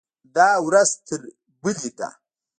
دا ورځ تر بلې ده.